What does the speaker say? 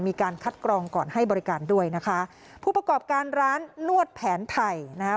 มีการคัดกรองก่อนให้บริการด้วยนะคะผู้ประกอบการร้านนวดแผนไทยนะคะ